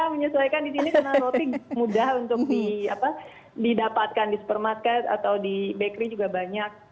menyesuaikan di sini karena roti mudah untuk didapatkan di supermarket atau di bakery juga banyak